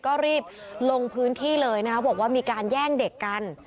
ก็รีบลงพื้นที่เลยนะครับบอกว่ามีการแย่งเด็กกัน